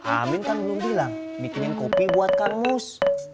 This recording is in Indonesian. amin kan belum bilang bikinin kopi buat karmus